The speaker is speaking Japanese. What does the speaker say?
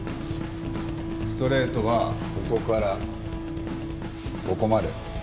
ストレートはここからここまで。